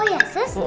oh ya sus